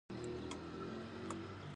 بزګر د زړۀ له کومي کار کوي